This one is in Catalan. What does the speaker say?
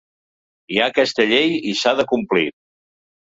Hi ha aquesta llei i s’ha de complir.